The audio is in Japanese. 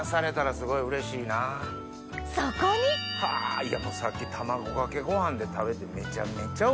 そこにはぁやっぱさっき卵かけご飯で食べてめちゃめちゃおいしかったです